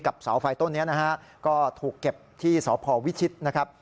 เสาไฟต้นนี้นะฮะก็ถูกเก็บที่สพวิชิตนะครับ